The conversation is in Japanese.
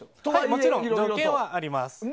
もちろん条件はあります。